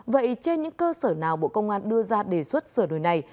vậy trên những cơ sở nào bộ công an đưa ra đề xuất sửa đổi này